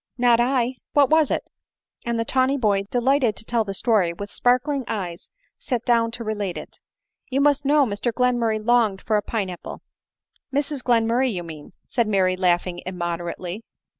" Not I. What was it ?" and the tawny boy, delighted to tell the story, with sparkling eyes sat down to relate it. " You must know, Mr Glenmurray longed for a pine apple." " Mrs Glenmurray you mean," said Mary, laughing immoderately.